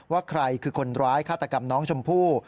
ว่าใครคือคนร้ายฆาตกรรมน้องชมพู่